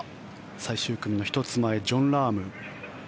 最終組の１つ前ジョン・ラーム。